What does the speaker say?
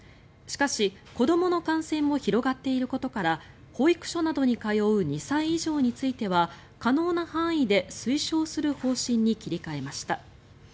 しかし、子どもの感染も広がっていることから保育所などに通う２歳以上については可能な範囲で推奨する方針に切り替えました。